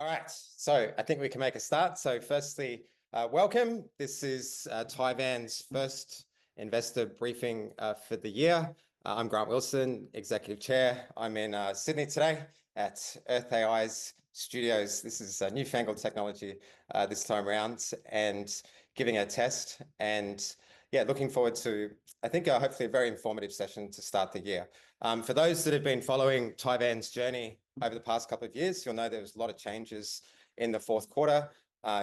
All right, so I think we can make a start. So firstly, welcome. This is Tivan's first investor briefing for the year. I'm Grant Wilson, Executive Chair. I'm in Sydney today at Earth AI's studios. This is newfangled technology this time around and giving a test and, yeah, looking forward to, I think, hopefully a very informative session to start the year. For those that have been following Tivan's journey over the past couple of years, you'll know there were a lot of changes in the fourth quarter.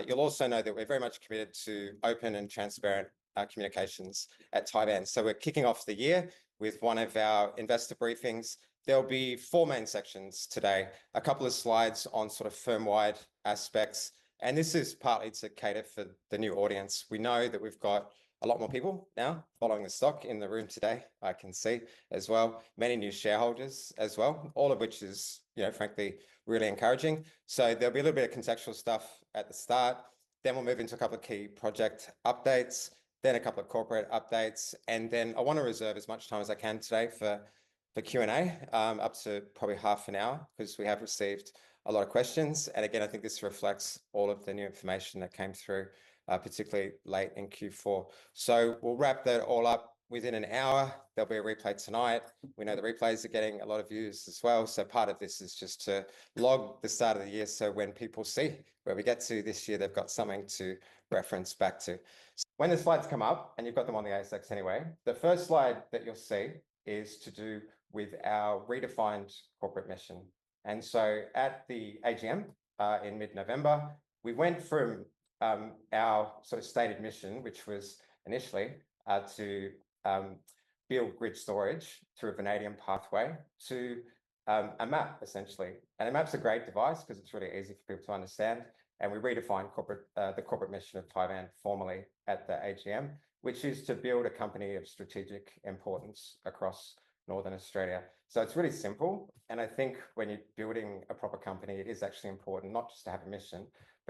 You'll also know that we're very much committed to open and transparent communications at Tivan. So we're kicking off the year with one of our investor briefings. There'll be four main sections today, a couple of slides on sort of firm-wide aspects, and this is partly to cater for the new audience. We know that we've got a lot more people now following the stock in the room today. I can see as well many new shareholders as well, all of which is, you know, frankly, really encouraging. So there'll be a little bit of contextual stuff at the start. Then we'll move into a couple of key project updates, then a couple of corporate updates. And then I want to reserve as much time as I can today for Q&A, up to probably half an hour, because we have received a lot of questions. And again, I think this reflects all of the new information that came through, particularly late in Q4. So we'll wrap that all up within an hour. There'll be a replay tonight. We know the replays are getting a lot of views as well. So part of this is just to log the start of the year. So when people see where we get to this year, they've got something to reference back to. So when the slides come up and you've got them on the ASX anyway, the first slide that you'll see is to do with our redefined corporate mission. And so at the AGM in mid-November, we went from our sort of stated mission, which was initially to build grid storage through a Vanadium pathway to a map, essentially. And the map's a great device because it's really easy for people to understand. And we redefined the corporate mission of Tivan formally at the AGM, which is to build a company of strategic importance across Northern Australia. So it's really simple. And I think when you're building a proper company, it is actually important not just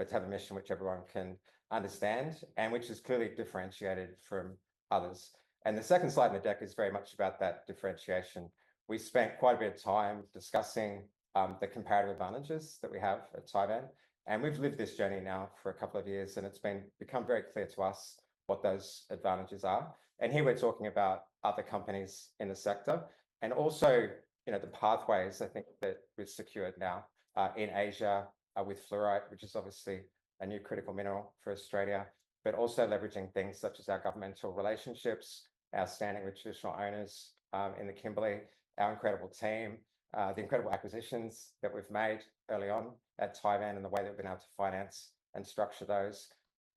to have a mission, but to have a mission which everyone can understand and which is clearly differentiated from others. And the second slide in the deck is very much about that differentiation. We spent quite a bit of time discussing the comparative advantages that we have at Tivan. And we've lived this journey now for a couple of years, and it's become very clear to us what those advantages are. Here we're talking about other companies in the sector and also, you know, the pathways I think that we've secured now in Asia with fluorite, which is obviously a new critical mineral for Australia, but also leveraging things such as our governmental relationships, our standing with traditional owners in the Kimberley, our incredible team, the incredible acquisitions that we've made early on at Tivan and the way that we've been able to finance and structure those,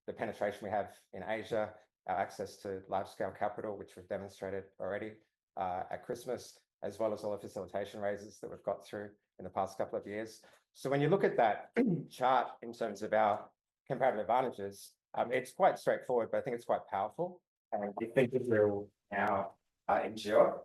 the penetration we have in Asia, our access to large-scale capital, which we've demonstrated already at Christmas, as well as all the facilitation raises that we've got through in the past couple of years. When you look at that chart in terms of our comparative advantages, it's quite straightforward, but I think it's quite powerful. And we think that we'll now endure.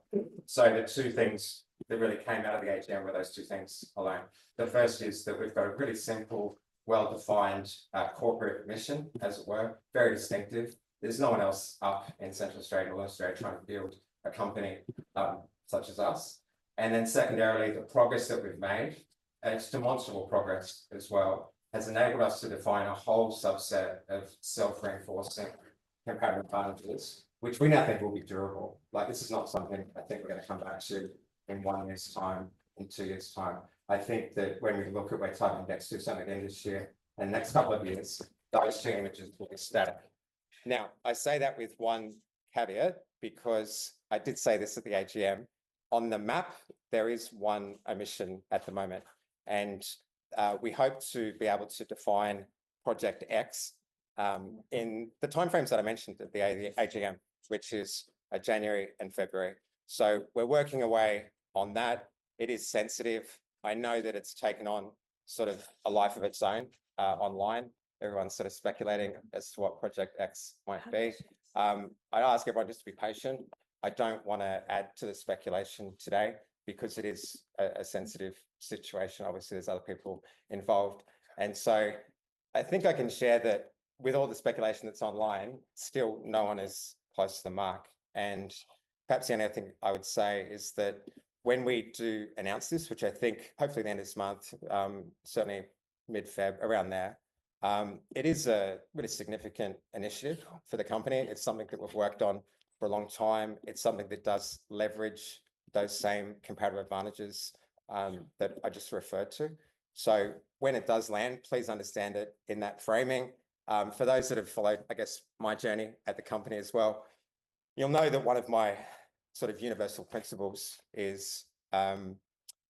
So the two things that really came out of the AGM were those two things alone. The first is that we've got a really simple, well-defined corporate mission, as it were, very distinctive. There's no one else up in Central Australia or Australia trying to build a company such as us. And then secondarily, the progress that we've made, it's demonstrable progress as well, has enabled us to define a whole subset of self-reinforcing comparative advantages, which we now think will be durable. Like, this is not something I think we're going to come back to in one year's time, in two years' time. I think that when we look at where Tivan gets to something in this year and the next couple of years, those two images will be static. Now, I say that with one caveat because I did say this at the AGM. On the map, there is one mission at the moment, and we hope to be able to define Project X in the timeframes that I mentioned at the AGM, which is January and February. So we're working away on that. It is sensitive. I know that it's taken on sort of a life of its own online. Everyone's sort of speculating as to what Project X might be. I ask everyone just to be patient. I don't want to add to the speculation today because it is a sensitive situation. Obviously, there's other people involved. And so I think I can share that with all the speculation that's online, still no one is close to the mark. Perhaps the only other thing I would say is that when we do announce this, which I think hopefully the end of this month, certainly mid-February, around there, it is a really significant initiative for the company. It's something that we've worked on for a long time. It's something that does leverage those same comparative advantages that I just referred to. When it does land, please understand it in that framing. For those that have followed, I guess, my journey at the company as well, you'll know that one of my sort of universal principles is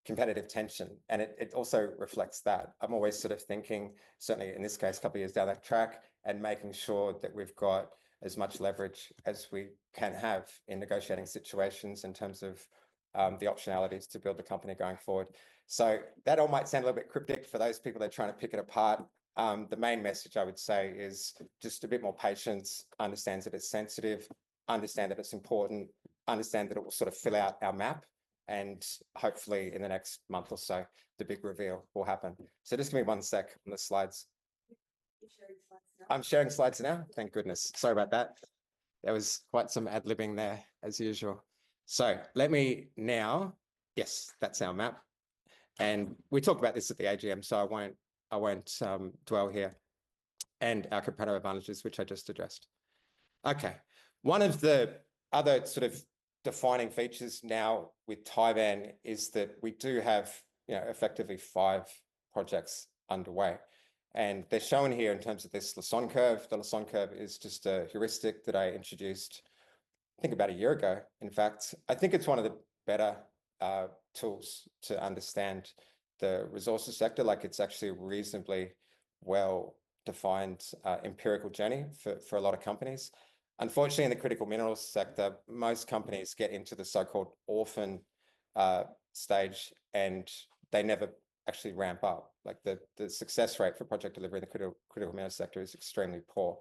competitive tension. It also reflects that. I'm always sort of thinking, certainly in this case, a couple of years down that track and making sure that we've got as much leverage as we can have in negotiating situations in terms of the optionalities to build the company going forward. So that all might sound a little bit cryptic for those people that are trying to pick it apart. The main message I would say is just a bit more patience, understand that it's sensitive, understand that it's important, understand that it will sort of fill out our map, and hopefully in the next month or so, the big reveal will happen, so just give me one sec on the slides. I'm sharing slides now. Thank goodness. Sorry about that. There was quite some ad-libbing there, as usual, so let me now, yes, that's our map, and we talked about this at the AGM, so I won't dwell here, and our comparative advantages, which I just addressed. Okay. One of the other sort of defining features now with Tivan is that we do have, you know, effectively five projects underway, and they're shown here in terms of this Lasson curve. The Lasson curve is just a heuristic that I introduced, I think, about a year ago, in fact. I think it's one of the better tools to understand the resources sector. Like, it's actually a reasonably well-defined empirical journey for a lot of companies. Unfortunately, in the critical minerals sector, most companies get into the so-called orphan stage, and they never actually ramp up. Like, the success rate for project delivery in the critical minerals sector is extremely poor,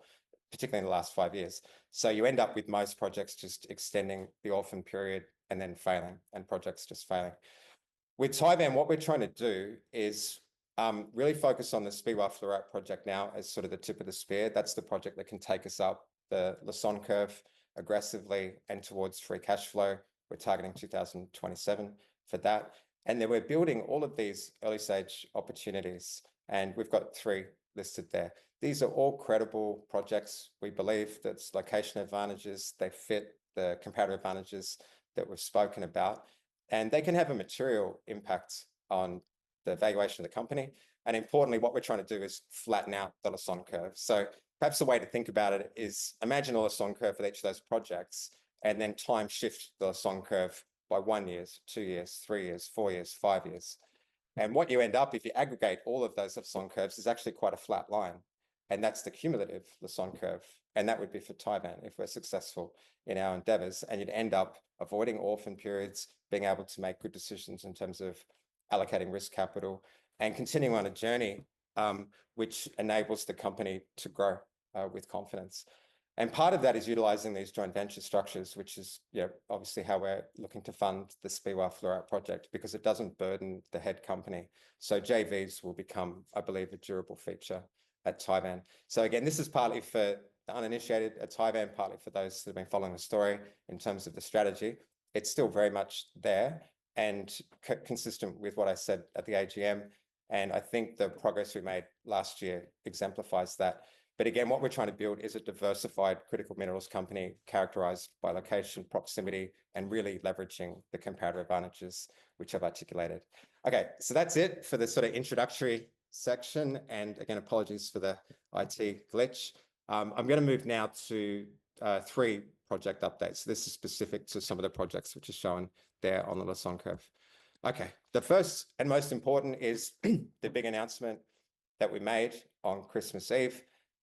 particularly in the last five years. So you end up with most projects just extending the orphan period and then failing and projects just failing. With Tivan, what we're trying to do is really focus on the Speewah Fluorite Project now as sort of the tip of the spear. That's the project that can take us up the Lasson curve aggressively and towards free cash flow. We're targeting 2027 for that. And then we're building all of these early-stage opportunities, and we've got three listed there. These are all credible projects. We believe that location advantages, they fit the comparative advantages that we've spoken about, and they can have a material impact on the valuation of the company. And importantly, what we're trying to do is flatten out the Lasson curve. So perhaps a way to think about it is imagine a Lasson curve for each of those projects and then time-shift the Lasson curve by one year, two years, three years, four years, five years. And what you end up, if you aggregate all of those Lasson curves, is actually quite a flat line. And that's the cumulative Lasson curve. And that would be for Tivan if we're successful in our endeavors. You'd end up avoiding orphan periods, being able to make good decisions in terms of allocating risk capital and continuing on a journey which enables the company to grow with confidence. Part of that is utilizing these joint venture structures, which is, you know, obviously how we're looking to fund the Speewah Fluorite Project because it doesn't burden the head company. JVs will become, I believe, a durable feature at Tivan. Again, this is partly for the uninitiated at Tivan, partly for those that have been following the story in terms of the strategy. It's still very much there and consistent with what I said at the AGM. I think the progress we made last year exemplifies that. Again, what we're trying to build is a diversified critical minerals company characterized by location, proximity, and really leveraging the comparative advantages which I've articulated. Okay, so that's it for the sort of introductory section. And again, apologies for the IT glitch. I'm going to move now to three project updates. This is specific to some of the projects which are shown there on the Lasson curve. Okay, the first and most important is the big announcement that we made on Christmas Eve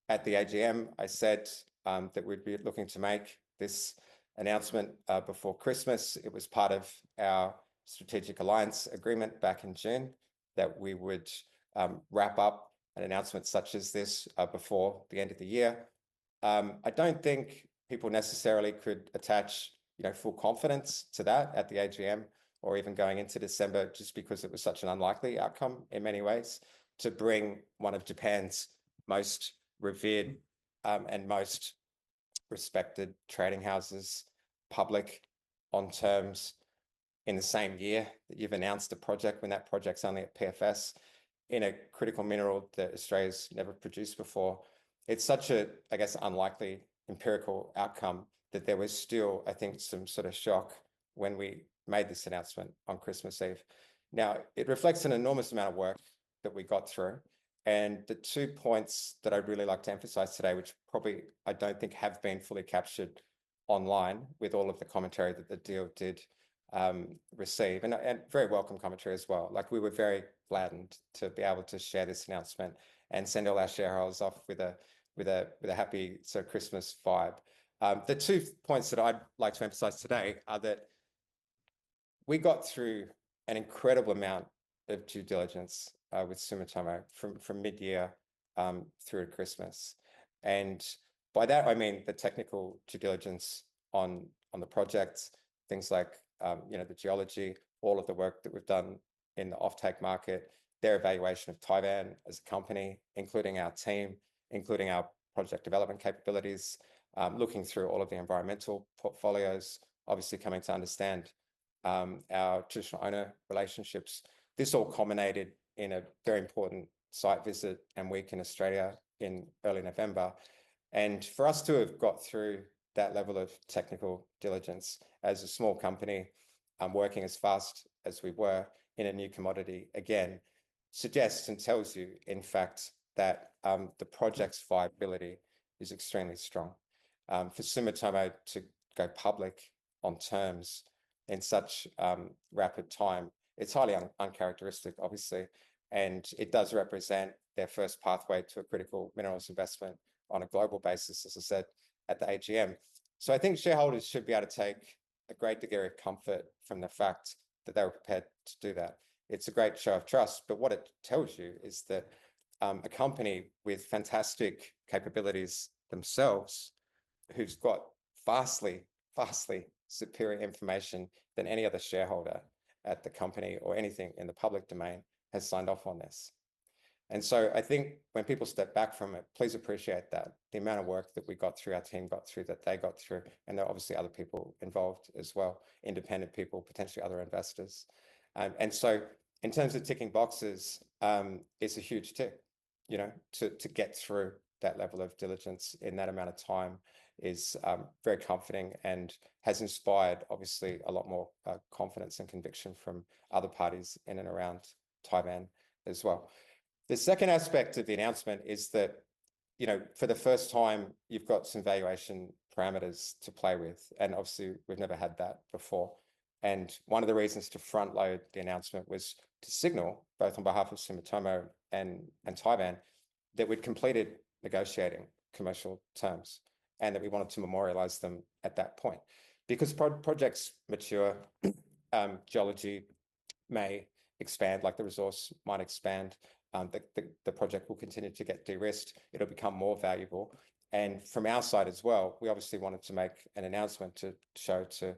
at the AGM. I said that we'd be looking to make this announcement before Christmas. It was part of our strategic alliance agreement back in June that we would wrap up an announcement such as this before the end of the year. I don't think people necessarily could attach, you know, full confidence to that at the AGM or even going into December, just because it was such an unlikely outcome in many ways, to bring one of Japan's most revered and most respected trading houses public on terms in the same year that you've announced a project when that project's only at PFS in a critical mineral that Australia's never produced before. It's such a, I guess, unlikely empirical outcome that there was still, I think, some sort of shock when we made this announcement on Christmas Eve. Now, it reflects an enormous amount of work that we got through. And the two points that I'd really like to emphasize today, which probably I don't think have been fully captured online with all of the commentary that the deal did receive, and very welcome commentary as well. Like, we were very gladdened to be able to share this announcement and send all our shareholders off with a happy sort of Christmas vibe. The two points that I'd like to emphasize today are that we got through an incredible amount of due diligence with Sumitomo from mid-year through Christmas, and by that, I mean the technical due diligence on the project, things like, you know, the geology, all of the work that we've done in the off-take market, their evaluation of Tivan as a company, including our team, including our project development capabilities, looking through all of the environmental portfolios, obviously coming to understand our traditional owner relationships. This all culminated in a very important site visit and week in Australia in early November. And for us to have got through that level of technical diligence as a small company working as fast as we were in a new commodity again suggests and tells you, in fact, that the project's viability is extremely strong. For Sumitomo to go public on terms in such rapid time, it's highly uncharacteristic, obviously. And it does represent their first pathway to a critical minerals investment on a global basis, as I said, at the AGM. So I think shareholders should be able to take a great degree of comfort from the fact that they were prepared to do that. It's a great show of trust, but what it tells you is that a company with fantastic capabilities themselves, who's got vastly, vastly superior information than any other shareholder at the company or anything in the public domain, has signed off on this. And so I think when people step back from it, please appreciate that the amount of work that we got through, our team got through, that they got through, and there are obviously other people involved as well, independent people, potentially other investors. And so in terms of ticking boxes, it's a huge tick, you know, to get through that level of diligence in that amount of time is very comforting and has inspired, obviously, a lot more confidence and conviction from other parties in and around Tivan as well. The second aspect of the announcement is that, you know, for the first time, you've got some valuation parameters to play with. And obviously, we've never had that before. One of the reasons to front-load the announcement was to signal, both on behalf of Sumitomo and Tivan, that we'd completed negotiating commercial terms and that we wanted to memorialize them at that point. Because projects mature, geology may expand, like the resource might expand, the project will continue to get de-risked, it'll become more valuable. From our side as well, we obviously wanted to make an announcement to show to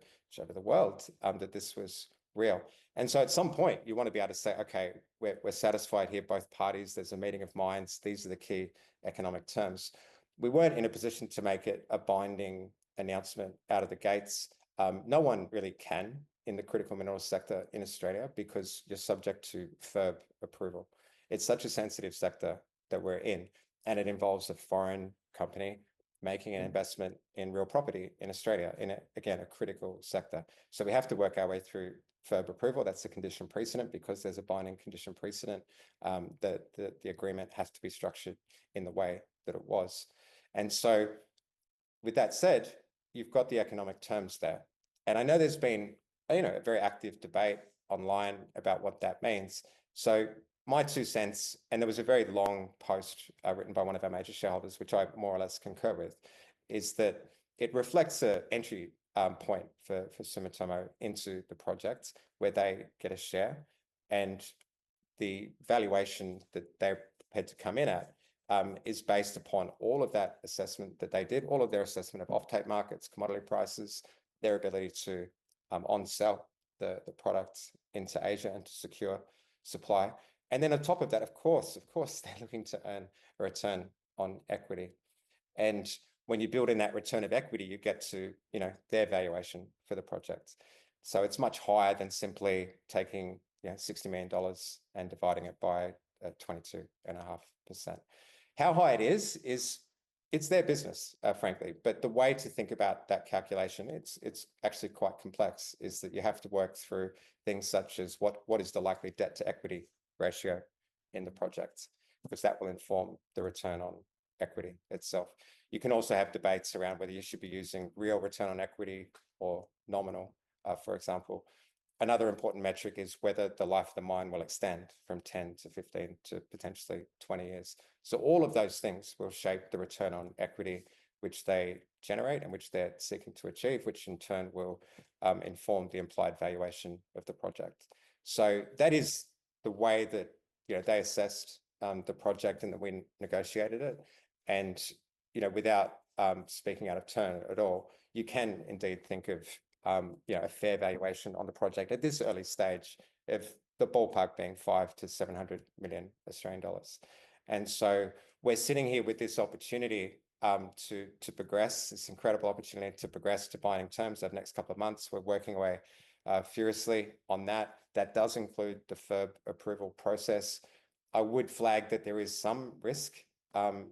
the world that this was real. At some point, you want to be able to say, okay, we're satisfied here, both parties, there's a meeting of minds, these are the key economic terms. We weren't in a position to make it a binding announcement out of the gates. No one really can in the critical minerals sector in Australia because you're subject to FIRB approval. It's such a sensitive sector that we're in, and it involves a foreign company making an investment in real property in Australia, in, again, a critical sector. So we have to work our way through FIRB approval. That's a condition precedent because there's a binding condition precedent that the agreement has to be structured in the way that it was. And so with that said, you've got the economic terms there. And I know there's been, you know, a very active debate online about what that means. So my two cents, and there was a very long post written by one of our major shareholders, which I more or less concur with, is that it reflects an entry point for Sumitomo into the project where they get a share. And the valuation that they had to come in at is based upon all of that assessment that they did, all of their assessment of off-take markets, commodity prices, their ability to on-sell the product into Asia and to secure supply. And then on top of that, of course, of course, they're looking to earn a return on equity. And when you build in that return on equity, you get to, you know, their valuation for the project. So it's much higher than simply taking, you know, 60 million dollars and dividing it by 22.5%. How high it is, is it's their business, frankly. But the way to think about that calculation, it's actually quite complex, is that you have to work through things such as what is the likely debt-to-equity ratio in the project, because that will inform the return on equity itself. You can also have debates around whether you should be using real return on equity or nominal, for example. Another important metric is whether the life of the mine will extend from 10 to 15 to potentially 20 years. So all of those things will shape the return on equity which they generate and which they're seeking to achieve, which in turn will inform the implied valuation of the project. So that is the way that, you know, they assessed the project and that we negotiated it. And, you know, without speaking out of turn at all, you can indeed think of, you know, a fair valuation on the project at this early-stage, in the ballpark of 500 million-700 million Australian dollars. And so we're sitting here with this opportunity to progress, this incredible opportunity to progress to binding terms over the next couple of months. We're working away furiously on that. That does include the FIRB approval process. I would flag that there is some risk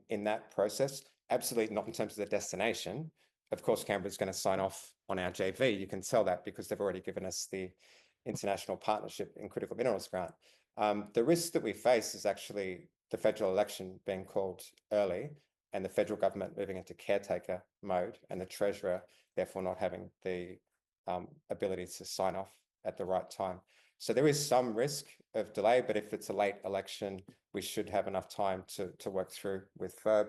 in that process. Absolutely not in terms of the destination. Of course, Canberra is going to sign off on our JV. You can tell that because they've already given us the international partnership in critical minerals grant. The risk that we face is actually the federal election being called early and the federal government moving into caretaker mode and the treasurer therefore not having the ability to sign off at the right time. So there is some risk of delay, but if it's a late election, we should have enough time to work through with FIRB.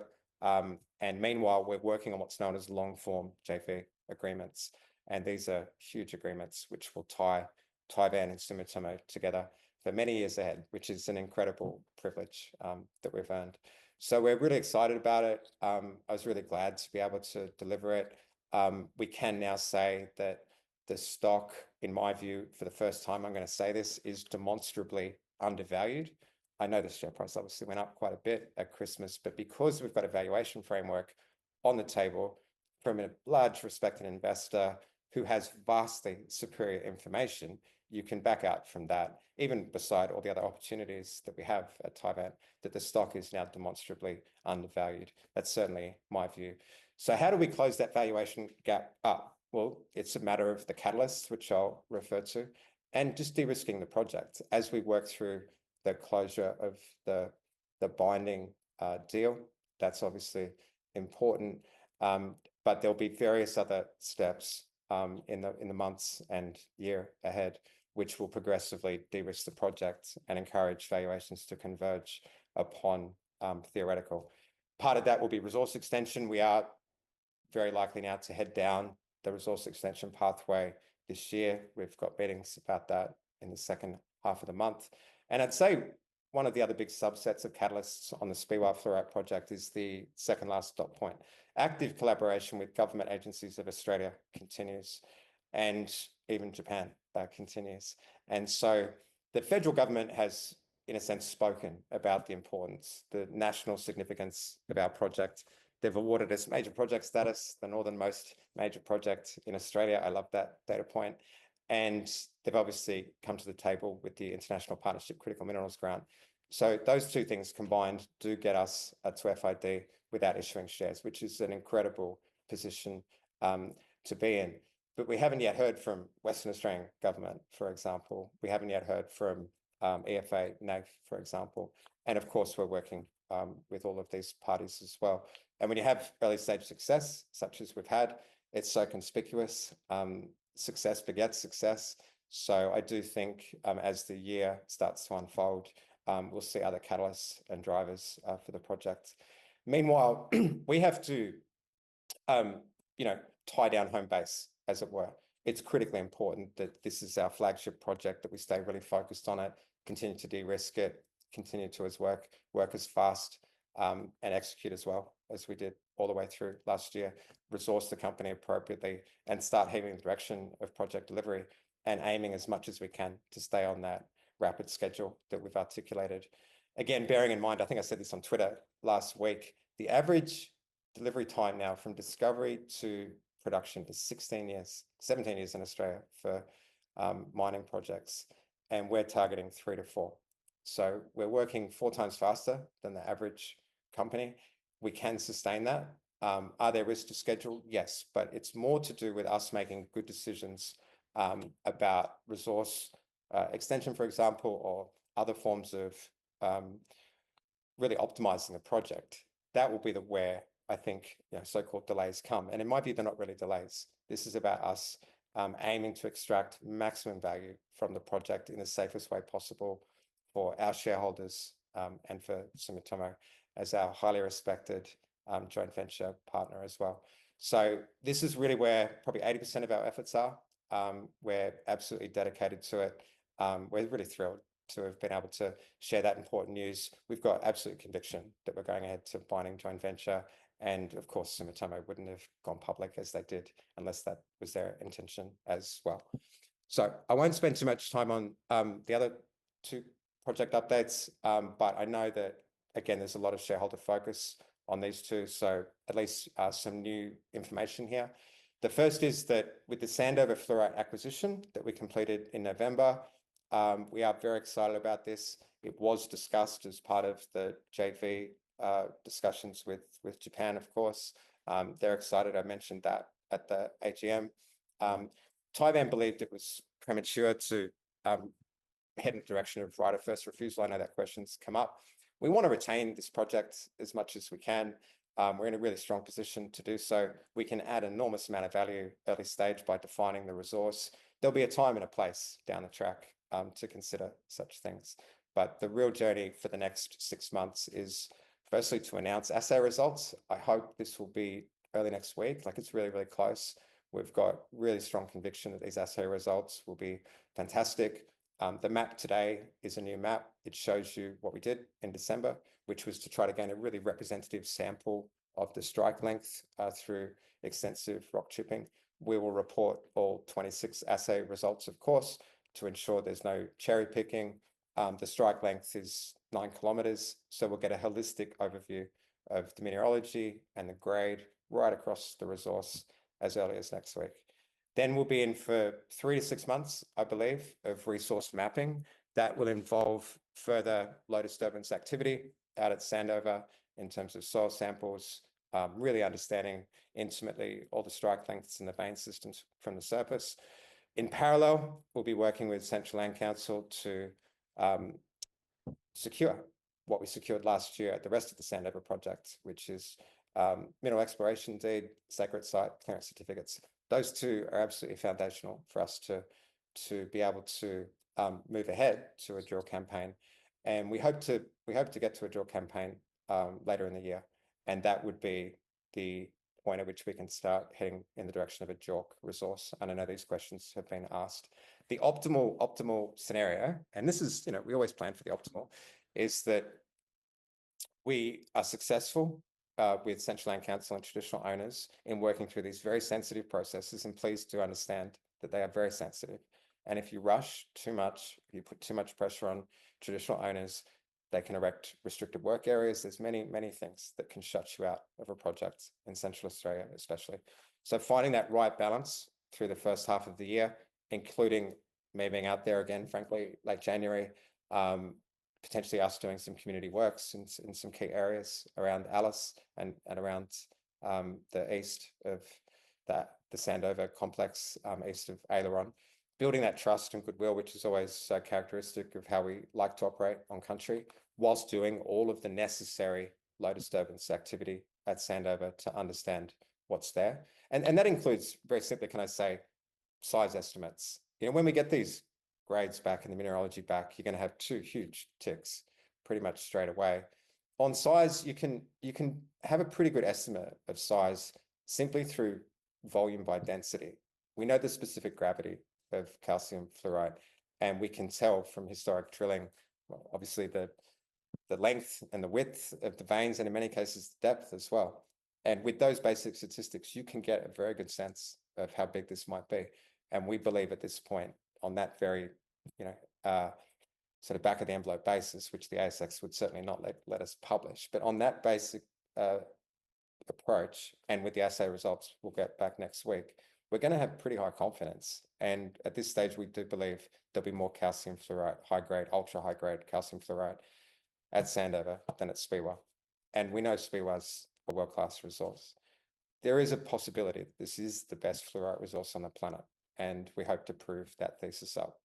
And meanwhile, we're working on what's known as long-form JV agreements. And these are huge agreements which will tie Tivan and Sumitomo together for many years ahead, which is an incredible privilege that we've earned. So we're really excited about it. I was really glad to be able to deliver it. We can now say that the stock, in my view, for the first time I'm going to say this, is demonstrably undervalued. I know the share price obviously went up quite a bit at Christmas, but because we've got a valuation framework on the table from a large, respected investor who has vastly superior information, you can back out from that, even beside all the other opportunities that we have at Tivan, that the stock is now demonstrably undervalued. That's certainly my view. So how do we close that valuation gap up? It's a matter of the catalysts, which I'll refer to, and just de-risking the project as we work through the closure of the binding deal. That's obviously important, but there'll be various other steps in the months and year ahead, which will progressively de-risk the project and encourage valuations to converge upon theoretical. Part of that will be resource extension. We are very likely now to head down the resource extension pathway this year. We've got biddings about that in the second half of the month. I'd say one of the other big subsets of catalysts on the Speewah Fluorite project is the second last dot point. Active collaboration with government agencies of Australia continues, and even Japan continues. The federal government has, in a sense, spoken about the importance, the national significance of our project. They've awarded us Major Project Status, the northernmost major project in Australia. I love that data point, and they've obviously come to the table with the International Partnership Critical Minerals grant. So those two things combined do get us a FID without issuing shares, which is an incredible position to be in. But we haven't yet heard from Western Australian government, for example. We haven't yet heard from NAIF, for example, and of course, we're working with all of these parties as well. And when you have early-stage success, such as we've had, it's so conspicuous. Success begets success, so I do think as the year starts to unfold, we'll see other catalysts and drivers for the project. Meanwhile, we have to, you know, tie down home base, as it were. It's critically important that this is our flagship project, that we stay really focused on it, continue to de-risk it, continue to work as fast and execute as well as we did all the way through last year, resource the company appropriately, and start having the direction of project delivery and aiming as much as we can to stay on that rapid schedule that we've articulated. Again, bearing in mind, I think I said this on Twitter last week, the average delivery time now from discovery to production is 16 years, 17 years in Australia for mining projects, and we're targeting three to four years. So we're working four times faster than the average company. We can sustain that. Are there risks to schedule? Yes, but it's more to do with us making good decisions about resource extension, for example, or other forms of really optimizing a project. That will be where, I think, you know, so-called delays come, and it might be they're not really delays. This is about us aiming to extract maximum value from the project in the safest way possible for our shareholders and for Sumitomo as our highly respected joint venture partner as well, so this is really where probably 80% of our efforts are. We're absolutely dedicated to it. We're really thrilled to have been able to share that important news. We've got absolute conviction that we're going ahead to binding joint venture, and of course, Sumitomo wouldn't have gone public as they did unless that was their intention as well, so I won't spend too much time on the other two project updates, but I know that, again, there's a lot of shareholder focus on these two, so at least some new information here. The first is that with the Sandover Fluorite acquisition that we completed in November, we are very excited about this. It was discussed as part of the JV discussions with Japan, of course. They're excited. I mentioned that at the AGM. Tivan believed it was premature to head in the direction of right of first refusal. I know that question's come up. We want to retain this project as much as we can. We're in a really strong position to do so. We can add an enormous amount of value early-stage by defining the resource. There'll be a time and a place down the track to consider such things. But the real journey for the next six months is firstly to announce assay results. I hope this will be early next week. Like it's really, really close. We've got really strong conviction that these assay results will be fantastic. The map today is a new map. It shows you what we did in December, which was to try to gain a really representative sample of the strike length through extensive rock chipping. We will report all 26 assay results, of course, to ensure there's no cherry picking. The strike length is nine kilometers, so we'll get a holistic overview of the mineralogy and the grade right across the resource as early as next week. Then we'll be in for three to six months, I believe, of resource mapping. That will involve further low disturbance activity out at Sandover in terms of soil samples, really understanding intimately all the strike lengths and the vein systems from the surface. In parallel, we'll be working with Central Land Council to secure what we secured last year at the rest of the Sandover project, which is mineral exploration deed, sacred site, clearance certificates. Those two are absolutely foundational for us to be able to move ahead to a dual campaign. And we hope to get to a dual campaign later in the year. And that would be the point at which we can start heading in the direction of a dual resource. And I know these questions have been asked. The optimal scenario, and this is, you know, we always plan for the optimal, is that we are successful with Central Land Council and traditional owners in working through these very sensitive processes. And please do understand that they are very sensitive. And if you rush too much, if you put too much pressure on traditional owners, they can erect restricted work areas. There's many, many things that can shut you out of a project in Central Australia, especially. So finding that right balance through the first half of the year, including me being out there again, frankly, late January, potentially us doing some community works in some key areas around Alice and around the east of the Sandover complex, east of Aileron, building that trust and goodwill, which is always characteristic of how we like to operate on country, while doing all of the necessary low disturbance activity at Sandover to understand what's there. And that includes, very simply, can I say, size estimates. You know, when we get these grades back and the mineralogy back, you're going to have two huge ticks pretty much straight away. On size, you can have a pretty good estimate of size simply through volume by density. We know the specific gravity of calcium fluoride, and we can tell from historic drilling, obviously, the length and the width of the veins and, in many cases, the depth as well. And with those basic statistics, you can get a very good sense of how big this might be. And we believe at this point on that very, you know, sort of back-of-the-envelope basis, which the ASX would certainly not let us publish, but on that basic approach and with the assay results, we'll get back next week, we're going to have pretty high confidence. And at this stage, we do believe there'll be more calcium fluoride, high-grade, ultra-high-grade calcium fluoride at Sandover than at Speewah. And we know Speewah's a world-class resource. There is a possibility that this is the best fluorite resource on the planet, and we hope to prove that thesis up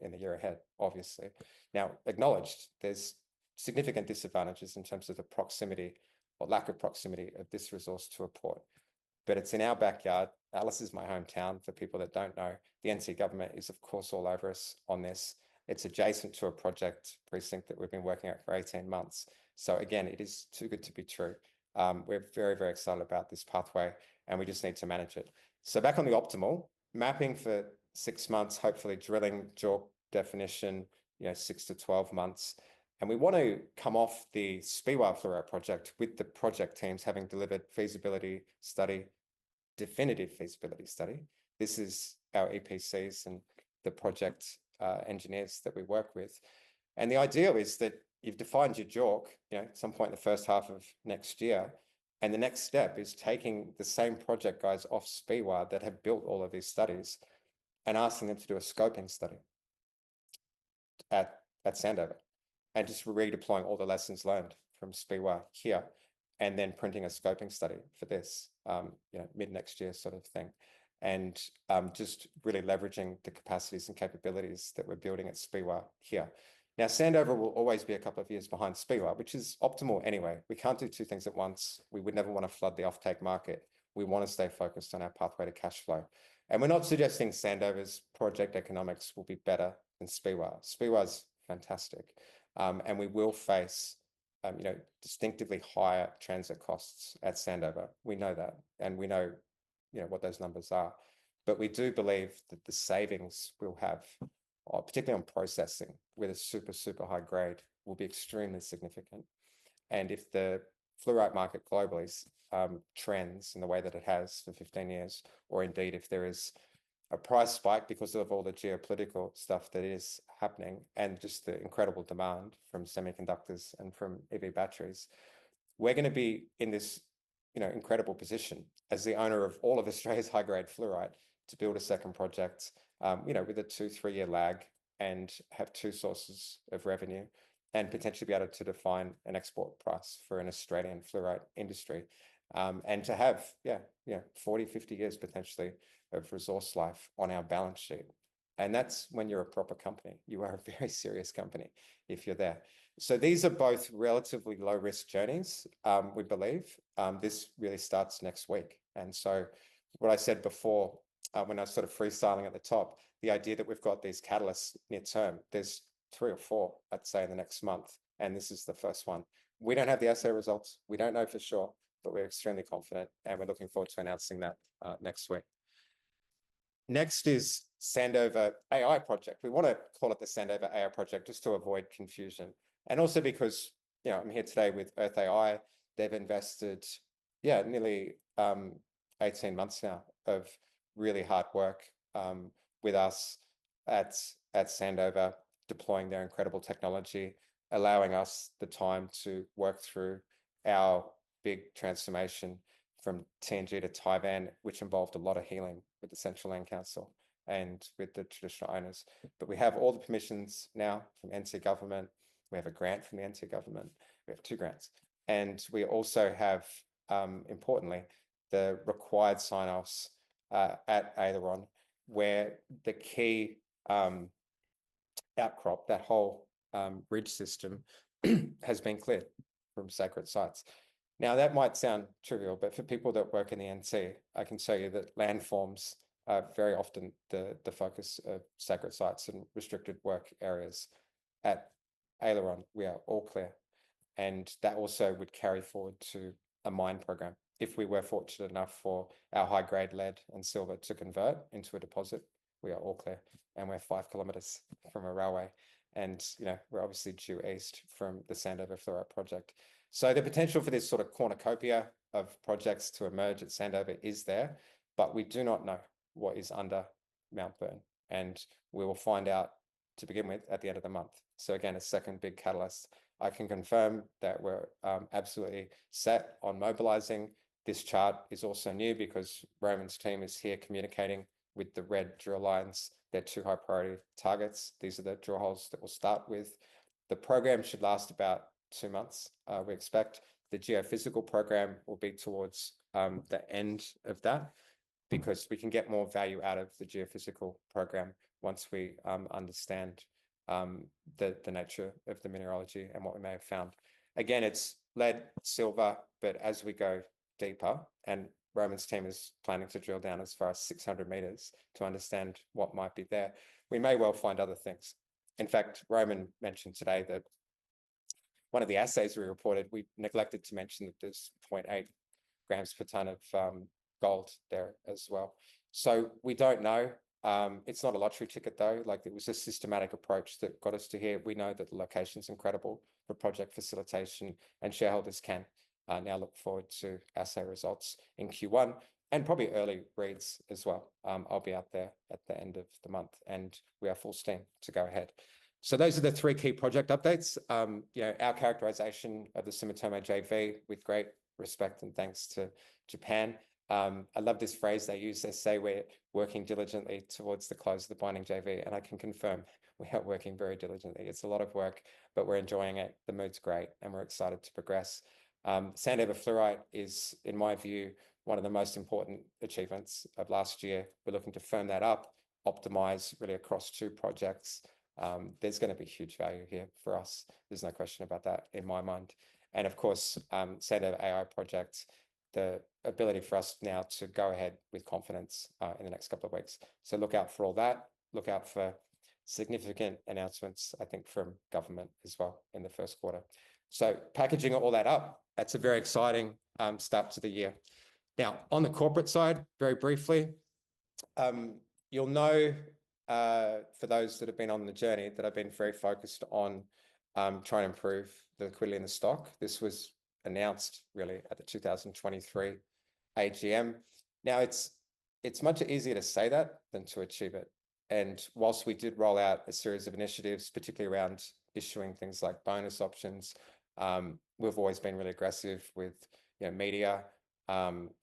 in the year ahead, obviously. Now, acknowledged, there's significant disadvantages in terms of the proximity or lack of proximity of this resource to a port, but it's in our backyard. Alice is my hometown. For people that don't know, the NT government is, of course, all over us on this. It's adjacent to a project precinct that we've been working at for 18 months, so again, it is too good to be true. We're very, very excited about this pathway, and we just need to manage it, so back on the optimal mapping for six months, hopefully drilling job definition, you know, six to 12 months, and we want to come off the Speewah Fluorite project with the project teams having delivered feasibility study, Definitive Feasibility Study. This is our EPCs and the project engineers that we work with, and the idea is that you've defined your job, you know, at some point in the first half of next year, and the next step is taking the same project guys off Speewah that have built all of these studies and asking them to do a scoping study at Sandover and just redeploying all the lessons learned from Speewah here and then printing a scoping study for this, you know, mid next year sort of thing and just really leveraging the capacities and capabilities that we're building at Speewah here. Now, Sandover will always be a couple of years behind Speewah, which is optimal anyway. We can't do two things at once. We would never want to flood the offtake market. We want to stay focused on our pathway to cash flow. And we're not suggesting Sandover's project economics will be better than Speewah's. Speewah's fantastic. And we will face, you know, distinctly higher transit costs at Sandover. We know that. And we know, you know, what those numbers are. But we do believe that the savings we'll have, particularly on processing with a super, super high-grade, will be extremely significant. If the fluorite market globally trends in the way that it has for 15 years, or indeed if there is a price spike because of all the geopolitical stuff that is happening and just the incredible demand from semiconductors and from EV batteries, we're going to be in this, you know, incredible position as the owner of all of Australia's high-grade fluorite to build a second project, you know, with a two- or three-year lag and have two sources of revenue and potentially be able to define an export price for an Australian fluorite industry and to have, yeah, you know, 40-50 years potentially of resource life on our balance sheet. That's when you're a proper company. You are a very serious company if you're there. So these are both relatively low risk journeys, we believe. This really starts next week. And so what I said before when I was sort of freestyling at the top, the idea that we've got these catalysts near term. There's three or four, I'd say, in the next month. And this is the first one. We don't have the assay results. We don't know for sure, but we're extremely confident and we're looking forward to announcing that next week. Next is Sandover AI Project. We want to call it the Sandover AI Project just to avoid confusion. And also because, you know, I'm here today with Earth AI. They've invested, yeah, nearly 18 months now of really hard work with us at Sandover, deploying their incredible technology, allowing us the time to work through our big transformation from TNG to Tivan, which involved a lot of healing with the Central Land Council and with the traditional owners. But we have all the permissions now from NT government. We have a grant from the NT government. We have two grants. And we also have, importantly, the required sign-offs at Aileron where the key outcrop, that whole ridge system has been cleared from sacred sites. Now, that might sound trivial, but for people that work in the NT, I can tell you that landforms are very often the focus of sacred sites and restricted work areas. At Aileron, we are all clear. And that also would carry forward to a mine program. If we were fortunate enough for our high-grade lead and silver to convert into a deposit, we are all clear. And we're five kilometers from a railway. And, you know, we're obviously due east from the Sandover Fluorite Project. So the potential for this sort of cornucopia of projects to emerge at Sandover is there, but we do not know what is under Mount Byrne. And we will find out to begin with at the end of the month. So again, a second big catalyst. I can confirm that we're absolutely set on mobilizing. This chart is also new because Roman's team is here communicating with the red drill lines. They're two high priority targets. These are the drill holes that we'll start with. The program should last about two months. We expect the geophysical program will be towards the end of that because we can get more value out of the geophysical program once we understand the nature of the mineralogy and what we may have found. Again, it's lead, silver, but as we go deeper and Roman's team is planning to drill down as far as 600 meters to understand what might be there, we may well find other things. In fact, Roman mentioned today that one of the assays we reported, we neglected to mention that there's 0.8 grams per ton of gold there as well. So we don't know. It's not a lottery ticket though. Like it was a systematic approach that got us to here. We know that the location's incredible for project facilitation and shareholders can now look forward to assay results in Q1 and probably early reads as well. I'll be out there at the end of the month and we are forced in to go ahead. So those are the three key project updates. You know, our characterization of the Sumitomo JV with great respect and thanks to Japan. I love this phrase they use. They say we're working diligently towards the close of the binding JV. And I can confirm we are working very diligently. It's a lot of work, but we're enjoying it. The mood's great and we're excited to progress. Sandover Fluorite is, in my view, one of the most important achievements of last year. We're looking to firm that up, optimize really across two projects. There's going to be huge value here for us. There's no question about that in my mind. And of course, Sandover AI project, the ability for us now to go ahead with confidence in the next couple of weeks. So look out for all that. Look out for significant announcements, I think, from government as well in the first quarter. So packaging all that up, that's a very exciting start to the year. Now, on the corporate side, very briefly, you'll know for those that have been on the journey that I've been very focused on trying to improve the liquidity in the stock. This was announced really at the 2023 AGM. Now, it's much easier to say that than to achieve it. And while we did roll out a series of initiatives, particularly around issuing things like bonus options, we've always been really aggressive with, you know, media.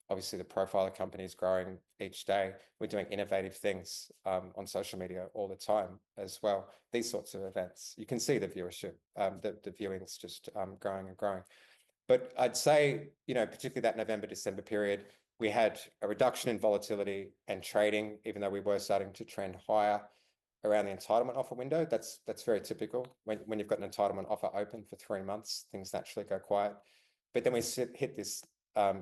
Obviously, the profile of companies growing each day. We're doing innovative things on social media all the time as well. These sorts of events, you can see the viewership, the viewings just growing and growing. But I'd say, you know, particularly that November, December period, we had a reduction in volatility and trading, even though we were starting to trend higher around the entitlement offer window. That's very typical. When you've got an entitlement offer open for three months, things naturally go quiet, but then we hit this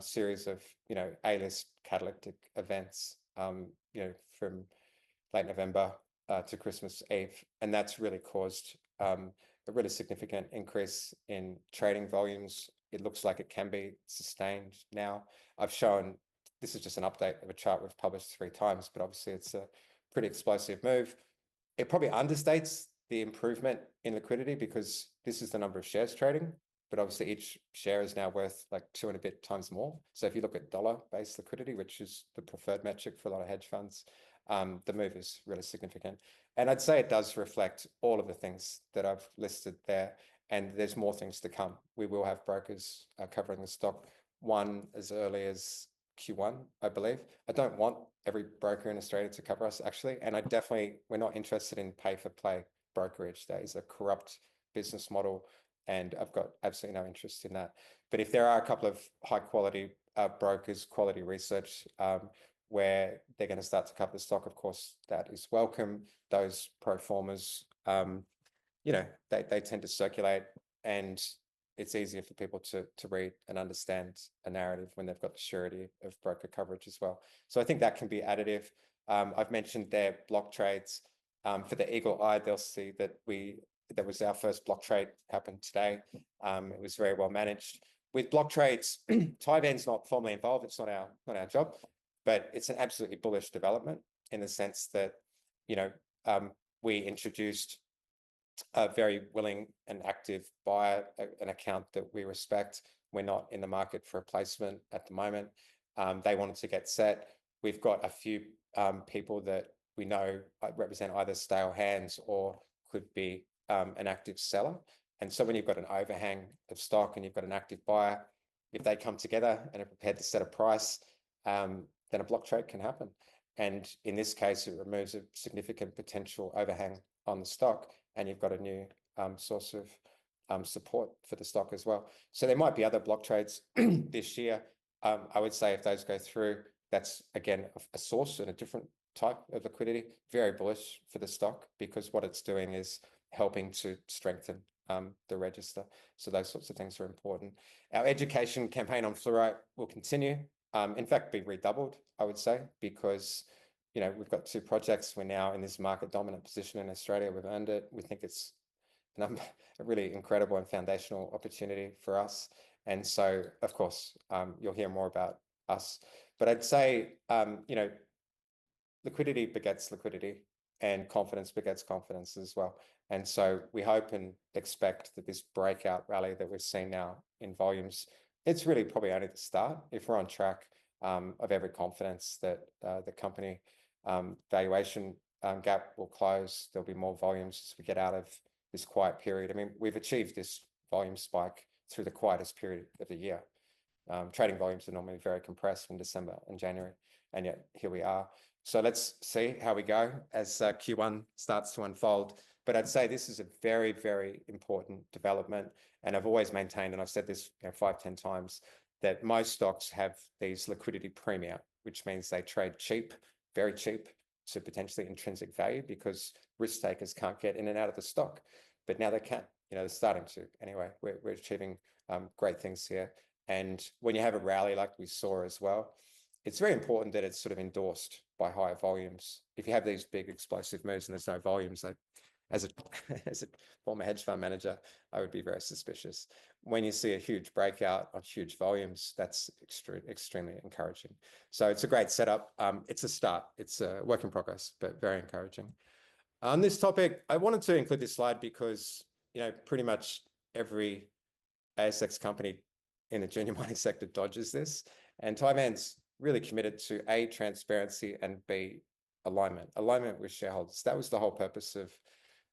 series of, you know, A-list catalytic events, you know, from late November to Christmas Eve, and that's really caused a really significant increase in trading volumes. It looks like it can be sustained now. I've shown, this is just an update of a chart we've published three times, but obviously it's a pretty explosive move. It probably understates the improvement in liquidity because this is the number of shares trading, but obviously each share is now worth like two and a bit times more, so if you look at dollar-based liquidity, which is the preferred metric for a lot of hedge funds, the move is really significant, and I'd say it does reflect all of the things that I've listed there, and there's more things to come. We will have brokers covering the stock, one as early as Q1, I believe. I don't want every broker in Australia to cover us, actually. And I definitely, we're not interested in pay-for-play brokerage days. A corrupt business model. And I've got absolutely no interest in that. But if there are a couple of high-quality brokers, quality research, where they're going to start to cover the stock, of course, that is welcome. Those pro formas, you know, they tend to circulate and it's easier for people to read and understand a narrative when they've got the surety of broker coverage as well. So I think that can be additive. I've mentioned their block trades. For the eagle eye, they'll see that we, that was our first block trade happened today. It was very well managed. With block trades, Tivan's not formally involved. It's not our job, but it's an absolutely bullish development in the sense that, you know, we introduced a very willing and active buyer, an account that we respect. We're not in the market for replacement at the moment. They wanted to get set. We've got a few people that we know represent either stale hands or could be an active seller. And so when you've got an overhang of stock and you've got an active buyer, if they come together and are prepared to set a price, then a block trade can happen. And in this case, it removes a significant potential overhang on the stock and you've got a new source of support for the stock as well. So there might be other block trades this year. I would say if those go through, that's again a source and a different type of liquidity, very bullish for the stock because what it's doing is helping to strengthen the register. So those sorts of things are important. Our education campaign on fluorite will continue, in fact, be redoubled, I would say, because, you know, we've got two projects. We're now in this market dominant position in Australia. We've earned it. We think it's a really incredible and foundational opportunity for us. And so, of course, you'll hear more about us. But I'd say, you know, liquidity begets liquidity and confidence begets confidence as well. And so we hope and expect that this breakout rally that we've seen now in volumes, it's really probably only the start if we're on track of every confidence that the company valuation gap will close. There'll be more volumes as we get out of this quiet period. I mean, we've achieved this volume spike through the quietest period of the year. Trading volumes are normally very compressed in December and January. And yet here we are. So let's see how we go as Q1 starts to unfold. But I'd say this is a very, very important development. And I've always maintained, and I've said this, you know, five, 10 times, that most stocks have these liquidity premium, which means they trade cheap, very cheap to potentially intrinsic value because risk takers can't get in and out of the stock. But now they can, you know, they're starting to. Anyway, we're achieving great things here. And when you have a rally like we saw as well, it's very important that it's sort of endorsed by high volumes. If you have these big explosive moves and there's no volumes, as a former hedge fund manager, I would be very suspicious. When you see a huge breakout on huge volumes, that's extremely encouraging. So it's a great setup. It's a start. It's a work in progress, but very encouraging. On this topic, I wanted to include this slide because, you know, pretty much every ASX company in the junior mining sector dodges this, and Tivan's really committed to A, transparency and B, alignment. Alignment with shareholders. That was the whole purpose of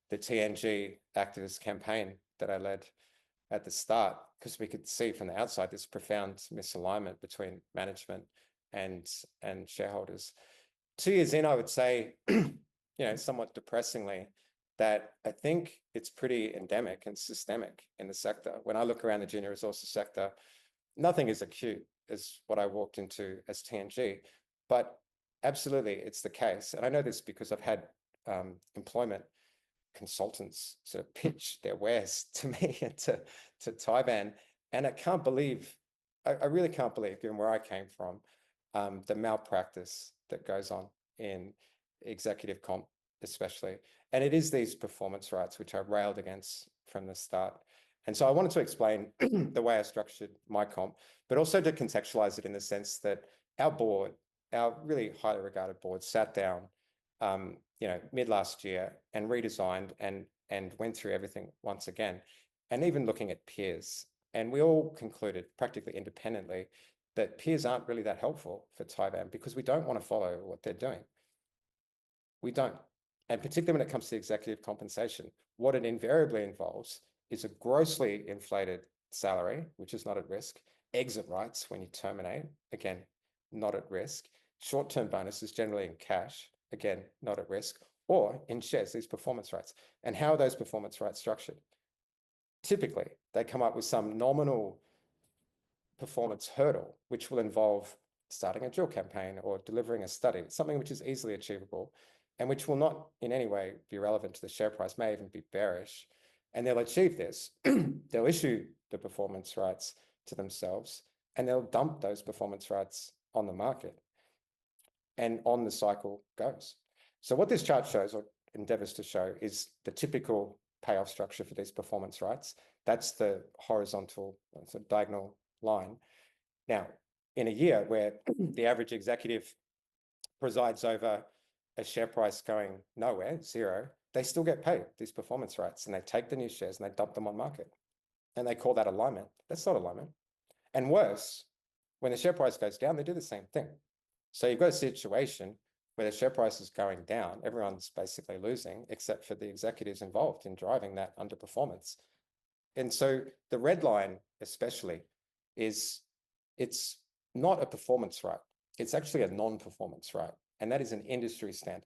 the TNG activist campaign that I led at the start because we could see from the outside this profound misalignment between management and shareholders. Two years in, I would say, you know, somewhat depressingly that I think it's pretty endemic and systemic in the sector. When I look around the junior resources sector, nothing is as acute as what I walked into as TNG. But absolutely, it's the case, and I know this because I've had employment consultants to pitch their wares to me and to Tivan, and I can't believe. I really can't believe, given where I came from, the malpractice that goes on in executive comp especially, and it is these performance rights which I railed against from the start. And so I wanted to explain the way I structured my comp, but also to contextualize it in the sense that our board, our really highly regarded board sat down, you know, mid last year and redesigned and went through everything once again, and even looking at peers, and we all concluded practically independently that peers aren't really that helpful for Tivan because we don't want to follow what they're doing. We don't. And particularly when it comes to executive compensation, what it invariably involves is a grossly inflated salary, which is not at risk, exit rights when you terminate, again, not at risk, short-term bonuses generally in cash, again, not at risk, or in shares, these performance rights. And how are those performance rights structured? Typically, they come up with some nominal performance hurdle, which will involve starting a drill campaign or delivering a study, something which is easily achievable and which will not in any way be relevant to the share price, may even be bearish. And they'll achieve this. They'll issue the performance rights to themselves and they'll dump those performance rights on the market. And on the cycle goes. So what this chart shows or endeavors to show is the typical payoff structure for these performance rights. That's the horizontal, so diagonal line. Now, in a year where the average executive presides over a share price going nowhere, zero, they still get paid these performance rights and they take the new shares and they dump them on the market. And they call that alignment. That's not alignment. And worse, when the share price goes down, they do the same thing. So you've got a situation where the share price is going down, everyone's basically losing except for the executives involved in driving that underperformance. And so the red line especially is it's not a performance right. It's actually a non-performance right. And that is an industry standard.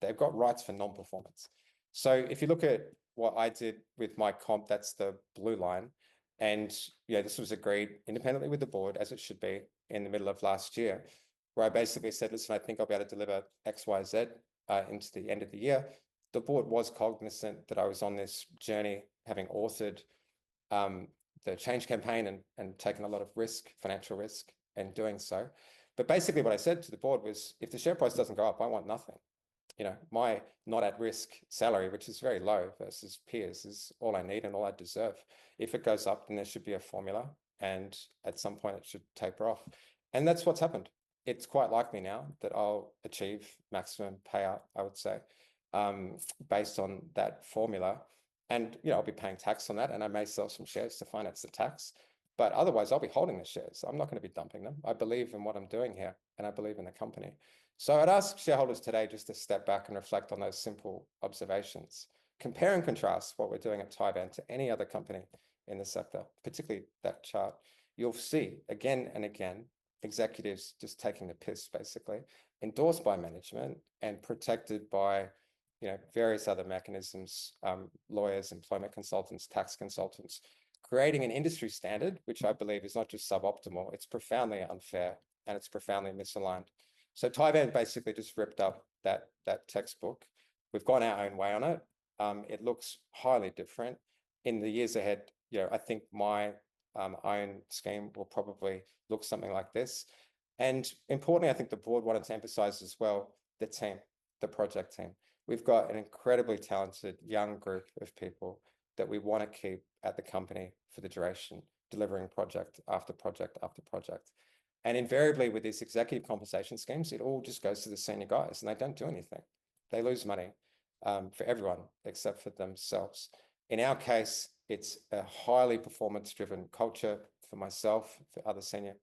They've got rights for non-performance. So if you look at what I did with my comp, that's the blue line. You know, this was agreed independently with the board as it should be in the middle of last year where I basically said, listen, I think I'll be able to deliver X, Y, Z into the end of the year. The board was cognizant that I was on this journey having authored the change campaign and taken a lot of risk, financial risk in doing so, but basically what I said to the board was, if the share price doesn't go up, I want nothing. You know, my not at risk salary, which is very low versus peers, is all I need and all I deserve. If it goes up, then there should be a formula and at some point it should taper off. That's what's happened. It's quite likely now that I'll achieve maximum payout, I would say, based on that formula. And you know, I'll be paying tax on that and I may sell some shares to finance the tax. But otherwise, I'll be holding the shares. I'm not going to be dumping them. I believe in what I'm doing here and I believe in the company. So I'd ask shareholders today just to step back and reflect on those simple observations. Compare and contrast what we're doing at Tivan to any other company in the sector, particularly that chart. You'll see again and again, executives just taking the piss basically, endorsed by management and protected by, you know, various other mechanisms, lawyers, employment consultants, tax consultants, creating an industry standard, which I believe is not just suboptimal, it's profoundly unfair and it's profoundly misaligned. So Tivan basically just ripped up that textbook. We've gone our own way on it. It looks highly different. In the years ahead, you know, I think my own scheme will probably look something like this, and importantly, I think the board wanted to emphasize as well, the team, the project team. We've got an incredibly talented young group of people that we want to keep at the company for the duration, delivering project after project after project. And invariably with these executive compensation schemes, it all just goes to the senior guys and they don't do anything. They lose money for everyone except for themselves. In our case, it's a highly performance-driven culture for myself, for other senior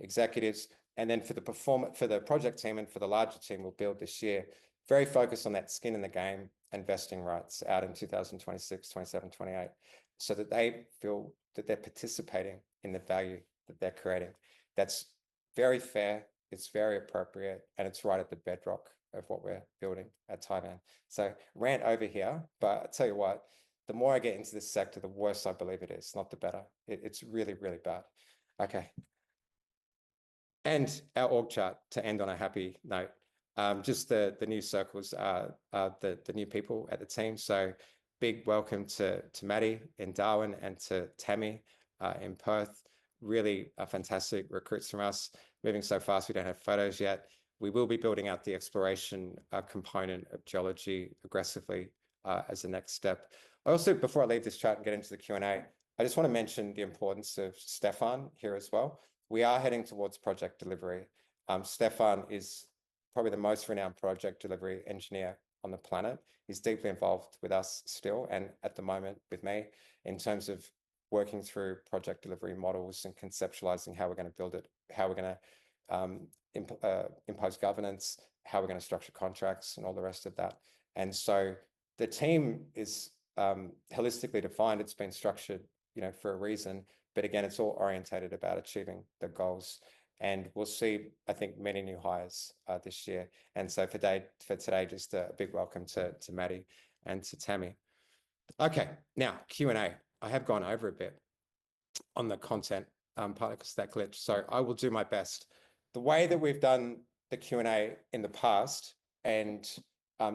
executives, and then for the project team and for the larger team we'll build this year, very focused on that skin in the game investing rights out in 2026, 2027, 2028, so that they feel that they're participating in the value that they're creating. That's very fair. It's very appropriate and it's right at the bedrock of what we're building at Tivan, so rant over here, but I'll tell you what, the more I get into this sector, the worse I believe it is, not the better. It's really, really bad. Okay, and our org chart to end on a happy note. Just the new circles, the new people at the team, so big welcome to Maddie in Darwin and to Tammy in Perth. Really fantastic recruits from us. Moving so fast, we don't have photos yet. We will be building out the exploration component of geology aggressively as a next step. I also, before I leave this chat and get into the Q&A, I just want to mention the importance of Stéphane here as well. We are heading towards project delivery. Stéphane is probably the most renowned project delivery engineer on the planet. He's deeply involved with us still and at the moment with me in terms of working through project delivery models and conceptualizing how we're going to build it, how we're going to impose governance, how we're going to structure contracts and all the rest of that. And so the team is holistically defined. It's been structured, you know, for a reason, but again, it's all oriented about achieving the goals. And we'll see, I think, many new hires this year. And so for today, just a big welcome to Maddie and to Tammy. Okay, now Q&A. I have gone over a bit on the content part of because that glitched. So I will do my best. The way that we've done the Q&A in the past and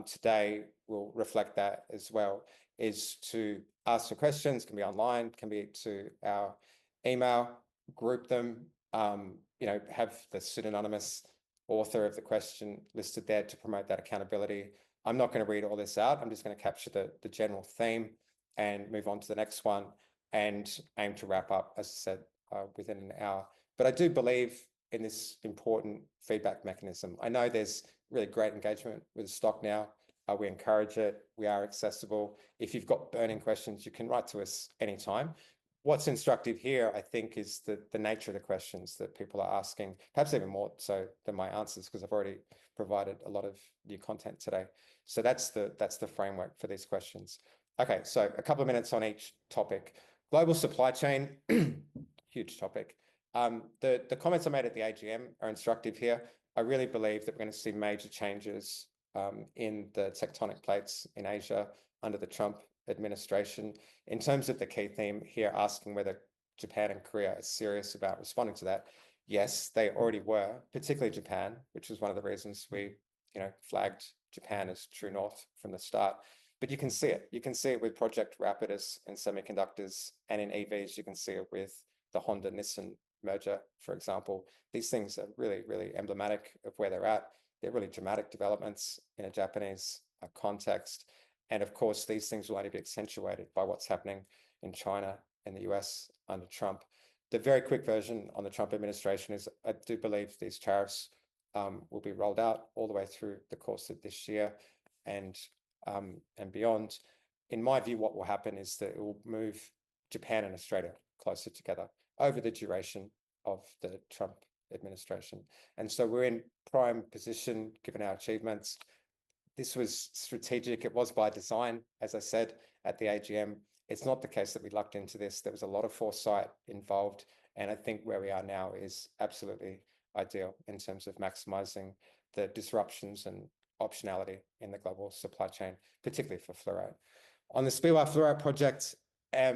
today we'll reflect that as well is to ask the questions. It can be online, can be to our email, group them, you know, have the pseudonymous author of the question listed there to promote that accountability. I'm not going to read all this out. I'm just going to capture the general theme and move on to the next one and aim to wrap up, as I said, within an hour, but I do believe in this important feedback mechanism. I know there's really great engagement with the stock now. We encourage it. We are accessible. If you've got burning questions, you can write to us anytime. What's instructive here, I think, is the nature of the questions that people are asking, perhaps even more so than my answers because I've already provided a lot of new content today, so that's the framework for these questions. Okay, so a couple of minutes on each topic. Global supply chain, huge topic. The comments I made at the AGM are instructive here. I really believe that we're going to see major changes in the tectonic plates in Asia under the Trump administration. In terms of the key theme here, asking whether Japan and Korea are serious about responding to that, yes, they already were, particularly Japan, which was one of the reasons we, you know, flagged Japan as true north from the start. But you can see it. You can see it with Project Rapidus and semiconductors and in EVs. You can see it with the Honda-Nissan merger, for example. These things are really, really emblematic of where they're at. They're really dramatic developments in a Japanese context. And of course, these things will only be accentuated by what's happening in China and the US under Trump. The very quick version on the Trump administration is I do believe these tariffs will be rolled out all the way through the course of this year and beyond. In my view, what will happen is that it will move Japan and Australia closer together over the duration of the Trump administration. And so we're in prime position given our achievements. This was strategic. It was by design, as I said at the AGM. It's not the case that we lucked into this. There was a lot of foresight involved. And I think where we are now is absolutely ideal in terms of maximizing the disruptions and optionality in the global supply chain, particularly for fluorite. On the Speewah fluorite project, yeah,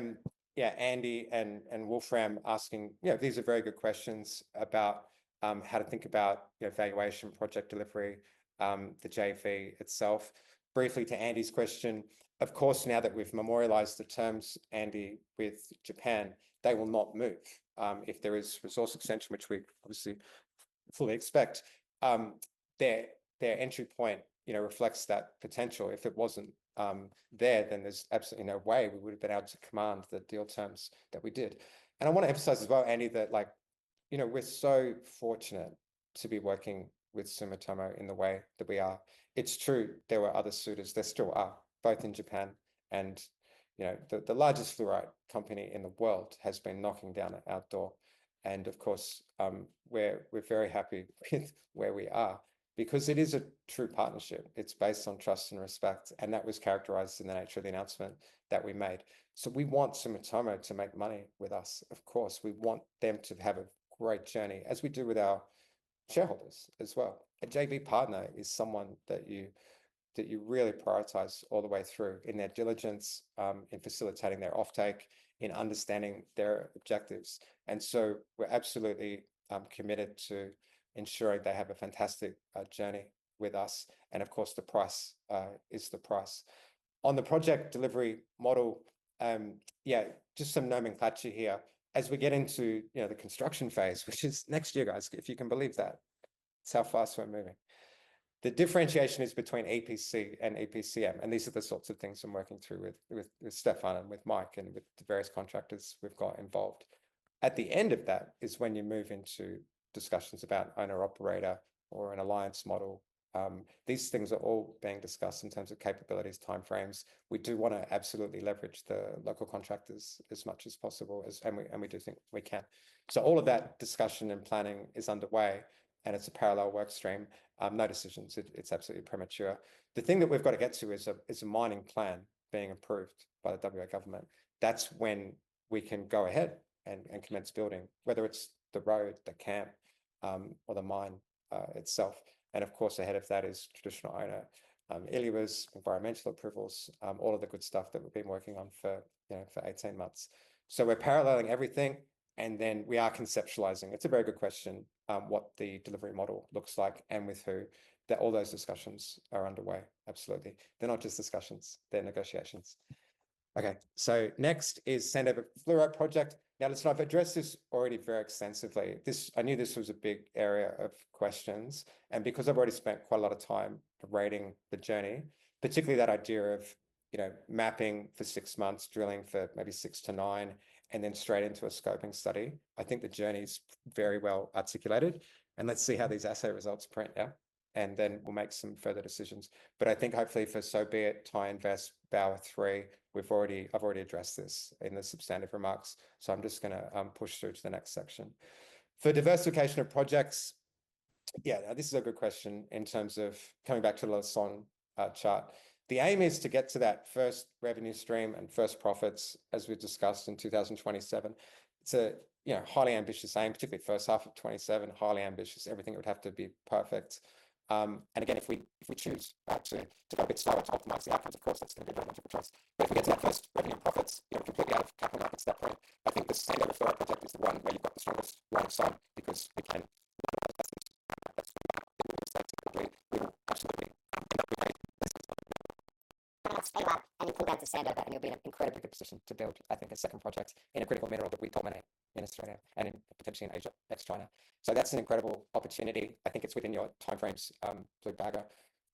Andy and Wolfram asking, you know, these are very good questions about how to think about, you know, valuation project delivery, the JV itself. Briefly to Andy's question, of course, now that we've memorialized the terms, Andy, with Japan, they will not move. If there is resource extension, which we obviously fully expect, their entry point, you know, reflects that potential. If it wasn't there, then there's absolutely no way we would have been able to command the deal terms that we did. And I want to emphasize as well, Andy, that like, you know, we're so fortunate to be working with Sumitomo in the way that we are. It's true. There were other suitors. There still are, both in Japan and, you know, the largest fluorite company in the world has been knocking down our door. And of course, we're very happy with where we are because it is a true partnership. It's based on trust and respect. And that was characterized in the nature of the announcement that we made. So we want Sumitomo to make money with us. Of course, we want them to have a great journey as we do with our shareholders as well. A JV partner is someone that you really prioritize all the way through in their diligence, in facilitating their offtake, in understanding their objectives. And so we're absolutely committed to ensuring they have a fantastic journey with us. And of course, the price is the price. On the project delivery model, yeah, just some nomenclature here. As we get into, you know, the construction phase, which is next year, guys, if you can believe that, it's how fast we're moving. The differentiation is between EPC and EPCM. And these are the sorts of things I'm working through with Stéphane and with Mike and with the various contractors we've got involved. At the end of that is when you move into discussions about owner-operator or an alliance model. These things are all being discussed in terms of capabilities, timeframes. We do want to absolutely leverage the local contractors as much as possible. And we do think we can. So all of that discussion and planning is underway. And it's a parallel workstream. No decisions. It's absolutely premature. The thing that we've got to get to is a mining plan being approved by the WA government. That's when we can go ahead and commence building, whether it's the road, the camp, or the mine itself. And of course, ahead of that is traditional owner, ILUAs environmental approvals, all of the good stuff that we've been working on for, you know, for 18 months. So we're paralleling everything. And then we are conceptualizing. It's a very good question what the delivery model looks like and with who. All those discussions are underway. Absolutely. They're not just discussions. They're negotiations. Okay, so next is Sandover Fluorite Project. Now, listen, I've addressed this already very extensively. I knew this was a big area of questions, and because I've already spent quite a lot of time rating the journey, particularly that idea of, you know, mapping for six months, drilling for maybe six to nine, and then straight into a scoping study, I think the journey is very well articulated, and let's see how these assay results print out, and then we'll make some further decisions, but I think hopefully for SoBit, TieInvest, Bower 3, I've already addressed this in the substantive remarks, so I'm just going to push through to the next section. For diversification of projects, yeah, this is a good question in terms of coming back to the Lasson curve. The aim is to get to that first revenue stream and first profits as we've discussed in 2027. It's a, you know, highly ambitious aim, particularly first half of 2027, highly ambitious. Everything would have to be perfect. And again, if we choose to start to optimize the outcomes, of course, that's going to be a different choice. But if we get to that first revenue profits, you're completely out of capital at that point. I think the Speewah Fluorite Project is the one where you've got the strongest upside because we can look at those assets. That's what we are. We will absolutely not be great. Don't spin up anything out of the Sandover out there. You'll be in an incredibly good position to build, I think, a second project in a critical mineral that we dominate in Australia and potentially in Asia next to China. That's an incredible opportunity. I think it's within your timeframes, Blue Bagger.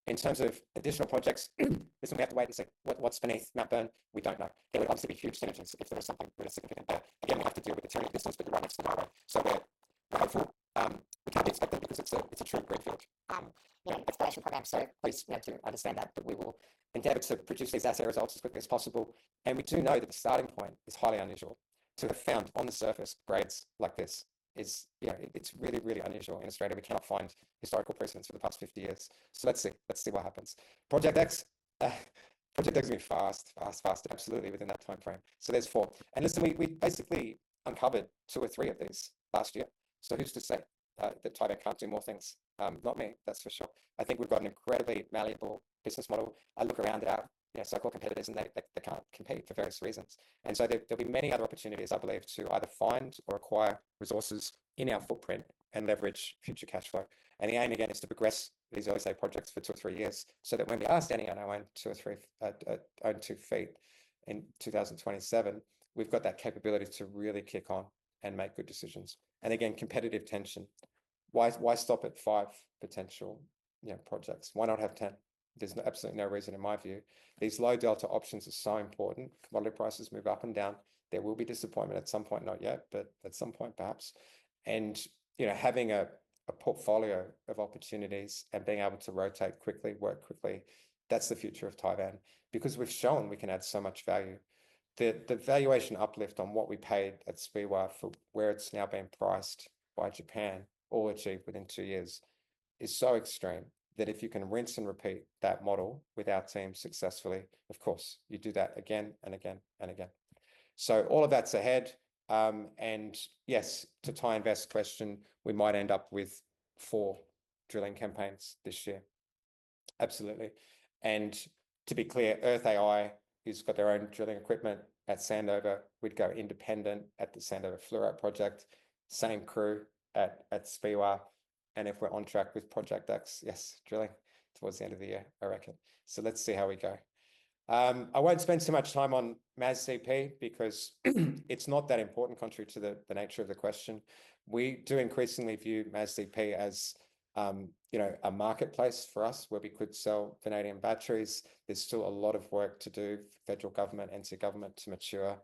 In terms of additional projects, listen, we have to wait and see what's beneath Mount Byrne. We don't know. There would obviously be huge changes if there was something really significant. Again, we have to deal with the trucking distance with the road next to the highway. We're hopeful. We can't be expected because it's a true greenfield. You know, exploration program. Please, you know, to understand that. We will endeavor to produce these assay results as quickly as possible. We do know that the starting point is highly unusual. To have found on the surface grades like this is, you know, it's really, really unusual in Australia. We cannot find historical precedents for the past 50 years. So let's see. Let's see what happens. Project X. Project X has been fast, fast, fast. Absolutely within that timeframe. So there's four. And listen, we basically uncovered two or three of these last year. So who's to say that Tivan can't do more things? Not me, that's for sure. I think we've got an incredibly malleable business model. I look around at our so-called competitors and they can't compete for various reasons. And so there'll be many other opportunities, I believe, to either find or acquire resources in our footprint and leverage future cash flow. The aim, again, is to progress these OSA projects for two or three years so that when we are standing on our own two feet in 2027, we've got that capability to really kick on and make good decisions. And again, competitive tension. Why stop at five potential, you know, projects? Why not have 10? There's absolutely no reason in my view. These low delta options are so important. Metal prices move up and down. There will be disappointment at some point, not yet, but at some point perhaps. And, you know, having a portfolio of opportunities and being able to rotate quickly, work quickly, that's the future of Tivan. Because we've shown we can add so much value. The valuation uplift on what we paid at Speewah for where it's now being priced by Japan, all achieved within two years, is so extreme that if you can rinse and repeat that model with our team successfully, of course, you do that again and again and again. So all of that's ahead. And yes, to Ty Invest's question, we might end up with four drilling campaigns this year. Absolutely. And to be clear, Earth AI has got their own drilling equipment at Sandover. We'd go independent at the Sandover Fluorite project. Same crew at Speewah. And if we're on track with Project X, yes, drilling towards the end of the year, I reckon. So let's see how we go. I won't spend too much time on MASDP because it's not that important, contrary to the nature of the question. We do increasingly view MASDP as, you know, a marketplace for us where we could sell vanadium batteries. There's still a lot of work to do for federal government, NT government to mature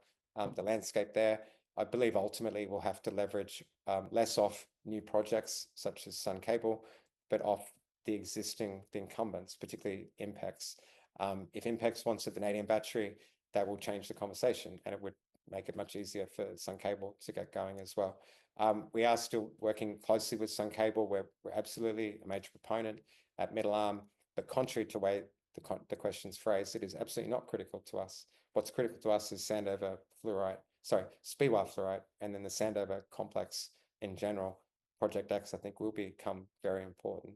the landscape there. I believe ultimately we'll have to leverage less off new projects such as Sun Cable, but off the existing incumbents, particularly INPEX. If INPEX wants a vanadium battery, that will change the conversation and it would make it much easier for Sun Cable to get going as well. We are still working closely with Sun Cable. We're absolutely a major proponent at Middle Arm. But contrary to the way the question's phrased, it is absolutely not critical to us. What's critical to us is Sandover Fluorite, sorry, Speewah Fluorite, and then the Sandover complex in general. Project X, I think, will become very important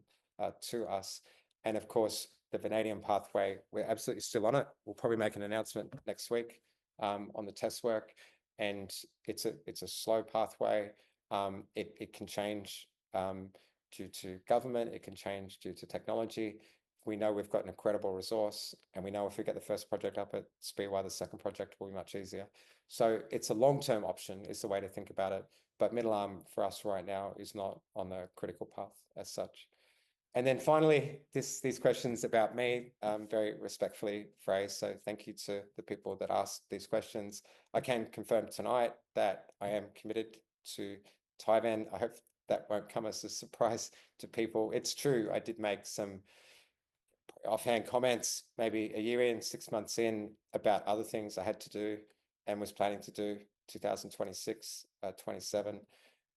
to us. Of course, the Canadian pathway, we're absolutely still on it. We'll probably make an announcement next week on the test work. It's a slow pathway. It can change due to government. It can change due to technology. We know we've got an incredible resource and we know if we get the first project up at Speewah, the second project will be much easier. It's a long-term option is the way to think about it. Middle Arm for us right now is not on the critical path as such. Finally, these questions about me, very respectfully phrased. Thank you to the people that asked these questions. I can confirm tonight that I am committed to Tivan. I hope that won't come as a surprise to people. It's true. I did make some offhand comments maybe a year in, six months in about other things I had to do and was planning to do 2026, 2027.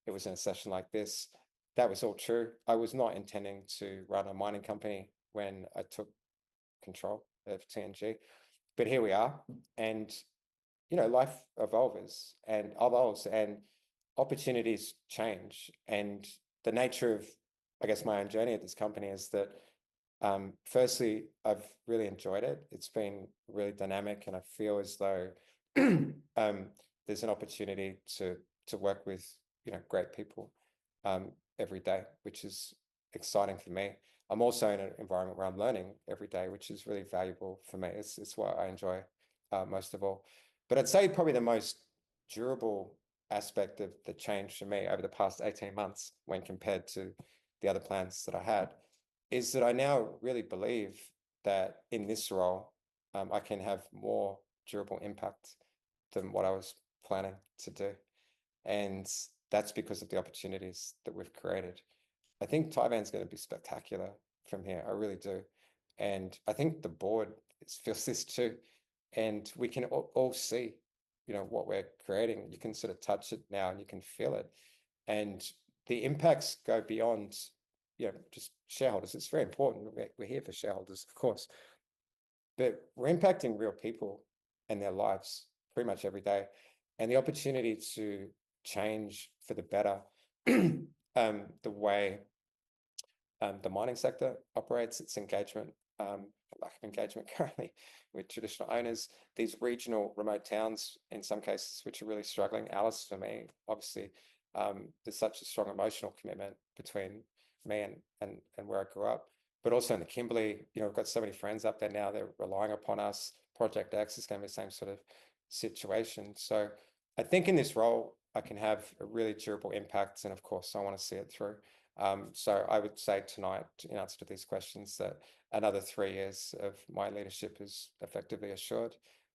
It was in a session like this. That was all true. I was not intending to run a mining company when I took control of TNG. But here we are, and you know, life evolves and opportunities change, and the nature of, I guess, my own journey at this company is that, firstly, I've really enjoyed it. It's been really dynamic, and I feel as though there's an opportunity to work with, you know, great people every day, which is exciting for me. I'm also in an environment where I'm learning every day, which is really valuable for me. It's what I enjoy most of all. But I'd say probably the most durable aspect of the change for me over the past 18 months when compared to the other plans that I had is that I now really believe that in this role, I can have more durable impact than what I was planning to do. And that's because of the opportunities that we've created. I think Tivan's going to be spectacular from here. I really do. And I think the board feels this too. And we can all see, you know, what we're creating. You can sort of touch it now and you can feel it. And the impacts go beyond, you know, just shareholders. It's very important. We're here for shareholders, of course. But we're impacting real people and their lives pretty much every day. And the opportunity to change for the better the way the mining sector operates, its engagement, lack of engagement currently with traditional owners, these regional remote towns in some cases, which are really struggling. Alice for me, obviously, there's such a strong emotional commitment between me and where I grew up, but also in the Kimberley, you know, we've got so many friends up there now. They're relying upon us. Project X is going to be the same sort of situation. So I think in this role, I can have a really durable impact. And of course, I want to see it through. So I would say tonight in answer to these questions that another three years of my leadership is effectively assured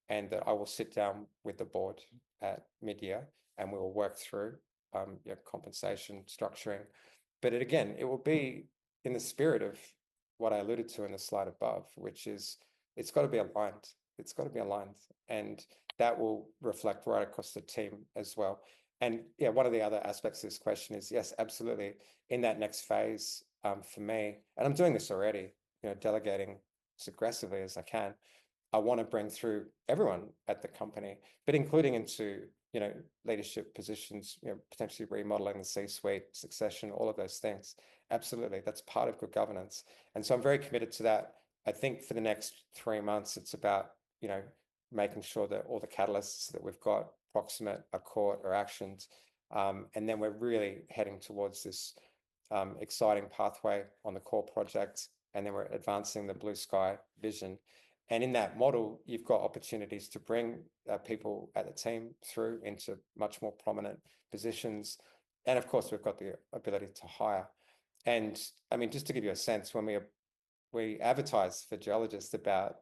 and that I will sit down with the board at mid-year and we will work through, you know, compensation structuring. But again, it will be in the spirit of what I alluded to in the slide above, which is it's got to be aligned. It's got to be aligned. And that will reflect right across the team as well. And yeah, one of the other aspects of this question is, yes, absolutely. In that next phase for me, and I'm doing this already, you know, delegating as aggressively as I can, I want to bring through everyone at the company, but including into, you know, leadership positions, you know, potentially remodeling the C-suite, succession, all of those things. Absolutely. That's part of good governance. And so I'm very committed to that. I think for the next three months, it's about, you know, making sure that all the catalysts that we've got approximate are caught or actioned. And then we're really heading towards this exciting pathway on the core project. And then we're advancing the blue sky vision. In that model, you've got opportunities to bring people at the team through into much more prominent positions. Of course, we've got the ability to hire. I mean, just to give you a sense, when we advertised for geologist about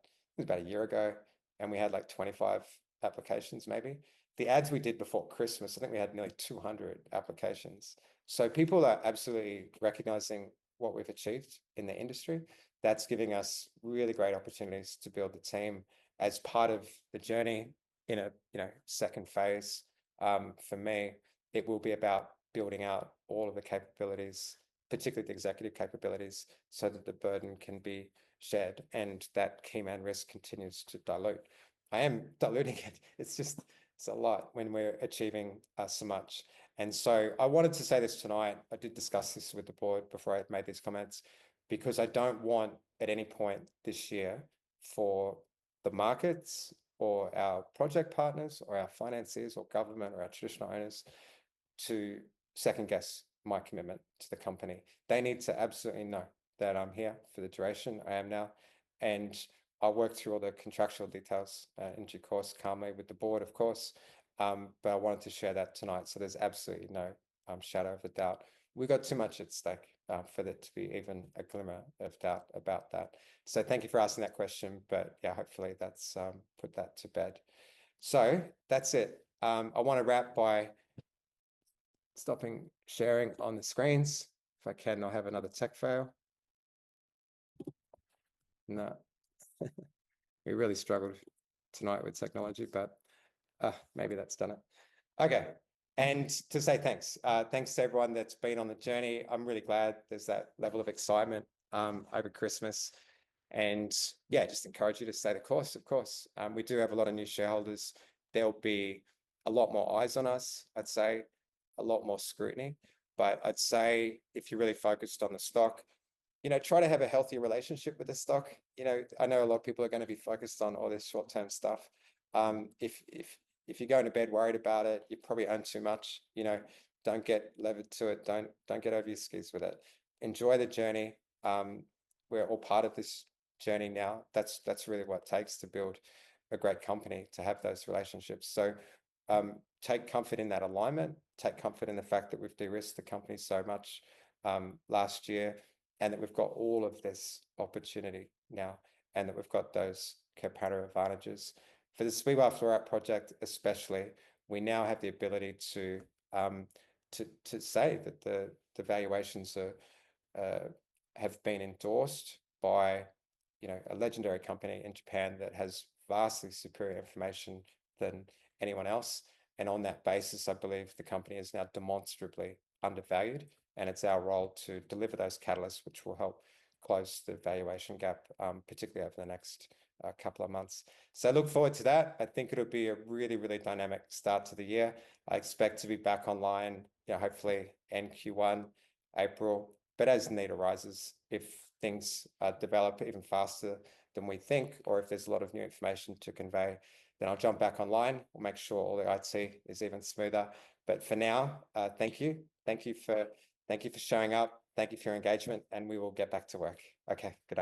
a year ago and we had like 25 applications maybe, the ads we did before Christmas, I think we had nearly 200 applications. People are absolutely recognizing what we've achieved in the industry. That's giving us really great opportunities to build the team as part of the journey in a, you know, second phase. For me, it will be about building out all of the capabilities, particularly the executive capabilities, so that the burden can be shared and that key man risk continues to dilute. I am diluting it. It's just, it's a lot when we're achieving so much. And so I wanted to say this tonight. I did discuss this with the board before I made these comments because I don't want at any point this year for the markets or our project partners or our finances or government or our traditional owners to second guess my commitment to the company. They need to absolutely know that I'm here for the duration I am now. And I'll work through all the contractual details in due course, calmly with the board, of course. But I wanted to share that tonight. So there's absolutely no shadow of a doubt. We've got too much at stake for there to be even a glimmer of doubt about that. So thank you for asking that question. But yeah, hopefully that's put that to bed. So that's it. I want to wrap by stopping sharing on the screens. If I can, I'll have another tech fail. No. We really struggled tonight with technology, but maybe that's done it. Okay. And to say thanks. Thanks to everyone that's been on the journey. I'm really glad there's that level of excitement over Christmas. And yeah, just encourage you to stay the course, of course. We do have a lot of new shareholders. There'll be a lot more eyes on us, I'd say, a lot more scrutiny. But I'd say if you're really focused on the stock, you know, try to have a healthy relationship with the stock. You know, I know a lot of people are going to be focused on all this short-term stuff. If you're going to bed worried about it, you probably own too much. You know, don't get levered to it. Don't get over your skis with it. Enjoy the journey. We're all part of this journey now. That's really what it takes to build a great company, to have those relationships. So take comfort in that alignment. Take comfort in the fact that we've de-risked the company so much last year and that we've got all of this opportunity now and that we've got those comparative advantages. For the Speewah Fluorite Project especially, we now have the ability to say that the valuations have been endorsed by, you know, a legendary company in Japan that has vastly superior information than anyone else. On that basis, I believe the company is now demonstrably undervalued. It's our role to deliver those catalysts, which will help close the valuation gap, particularly over the next couple of months. I look forward to that. I think it'll be a really, really dynamic start to the year. I expect to be back online, you know, hopefully Q1, April. But as the need arises, if things develop even faster than we think, or if there's a lot of new information to convey, then I'll jump back online. We'll make sure all the IT is even smoother. But for now, thank you. Thank you for showing up. Thank you for your engagement. And we will get back to work. Okay, good.